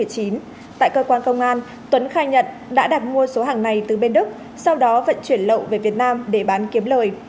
tại cơ quan công an tuấn khai nhận đã đặt mua số hàng này từ bên đức sau đó vận chuyển lậu về việt nam để bán kiếm lời